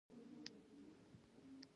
له چا مه وېرېږئ، دلته تاسې خوندي یاست.